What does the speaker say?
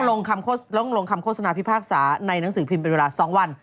ลงคำโฆษณาพิพากษาในหนังสือพิมพ์เป็นเวลา๒วัน